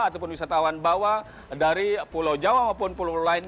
ataupun wisatawan bawah dari pulau jawa maupun pulau lain